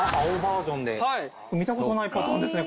見たことないパターンですね